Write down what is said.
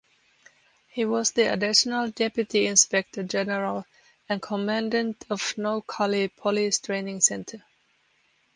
He was the additional deputy inspector general and commandant of Noakhali Police Training Center.